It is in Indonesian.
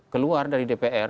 keluar dari dpr